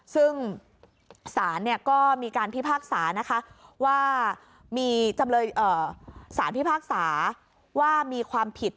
ซึ่งศาลก็มีการพิพากษานะคะว่ามีจำเลยสารพิพากษาว่ามีความผิด